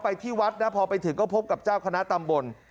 ที่วัดนะพอไปถึงก็พบกับเจ้าคณะตำบล